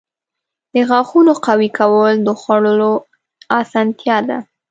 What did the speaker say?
• د غاښونو قوي کول د خوړلو اسانتیا ده.